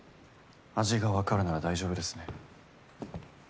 味がわかるなら大丈夫ですね。